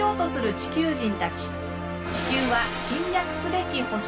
地球は侵略すべき星？